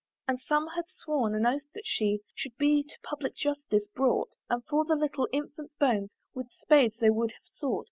And some had sworn an oath that she Should be to public justice brought; And for the little infant's bones With spades they would have sought.